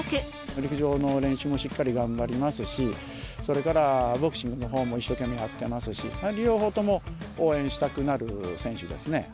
陸上の練習もしっかり頑張りますし、それからボクシングのほうも一生懸命やってますし、両方とも応援したくなる選手ですね。